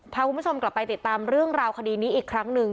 พาคุณผู้ชมกลับไปติดตามเรื่องราวคดีนี้อีกครั้งหนึ่ง